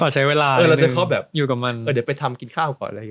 เขาใช้เวลาอย่างนึงอยู่กับมันเราจะคอแบบเดี๋ยวไปทำกินข้าวก่อน